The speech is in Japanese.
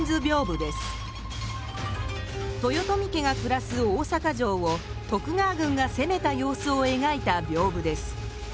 豊臣家が暮らす大坂城を徳川軍が攻めた様子をえがいた屏風です。